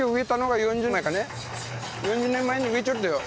４０年前に植えちょるとよ。